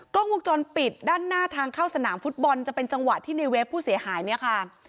กล้องวงจรปิดด้านหน้าทางเข้าสนามฟุตบอลจะเป็นจังหวะที่ในเวฟผู้เสียหายเนี่ยค่ะ